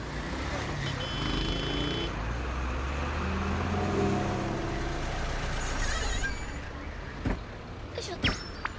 おいしょっと。